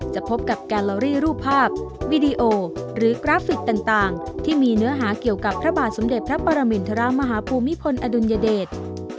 พบกับแกลลอรี่รูปภาพวีดีโอหรือกราฟิกต่างที่มีเนื้อหาเกี่ยวกับพระบาทสมเด็จพระปรมินทรมาฮภูมิพลอดุลยเดช